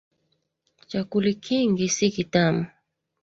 Chakuli kingi si kitamu.